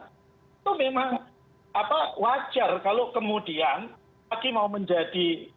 itu memang wajar kalau kemudian lagi mau menjadi